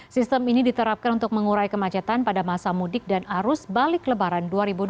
sistem ini diterapkan untuk mengurai kemacetan pada masa mudik dan arus balik lebaran dua ribu dua puluh